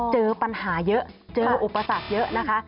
เจอปัญหาเยอะเจออุปสรรคเยอะนะคะ